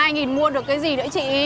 hai nghìn mua được cái gì nữa chị